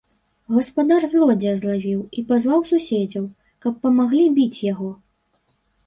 Гаспадар злодзея злавіў і пазваў суседзяў, каб памаглі біць яго.